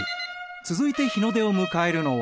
続いて日の出を迎えるのは。